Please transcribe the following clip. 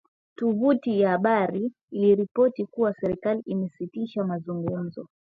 Tovuti ya habari iliripoti kuwa serikali imesitisha mazungumzo